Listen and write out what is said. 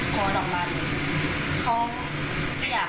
ฆ่ารองรัน